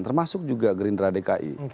termasuk juga gerindra dki